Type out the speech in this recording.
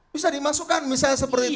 bisa dimasukkan misalnya seperti itu